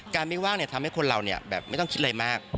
การไม่ว่างเนี่ยทำให้คนเราเนี่ยแบบไม่ต้องคิดเลยมาก